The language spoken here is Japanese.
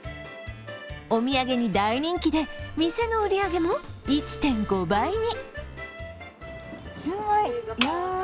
お土産に大人気で店の売り上げも１．５倍に。